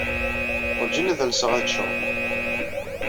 Wurǧin ad alseɣ ad cceɣ da.